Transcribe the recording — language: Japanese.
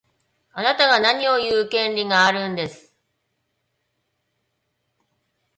あなたが何を言う権利があるんです。